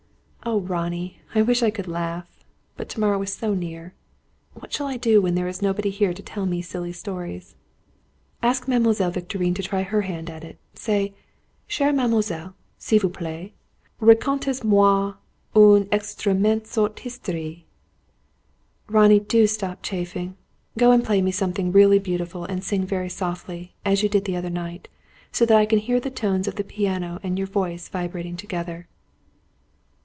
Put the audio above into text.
"Oh, Ronnie, I wish I could laugh! But to morrow is so near. What shall I do when there is nobody here to tell me silly stories?" "Ask Mademoiselle Victorine to try her hand at it. Say: 'Chère Mademoiselle, s'il vous plait, racontez moi une extrêmement sotte histoire.'" "Ronnie, do stop chaffing! Go and play me something really beautiful, and sing very softly, as you did the other night; so that I can hear the tones of the piano and your voice vibrating together."